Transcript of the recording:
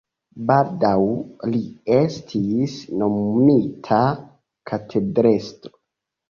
Baldaŭ li estis nomumita katedrestro.